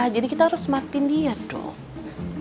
jadi kita harus matiin dia dong